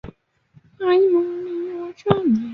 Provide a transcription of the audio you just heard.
手持式光炮来福枪。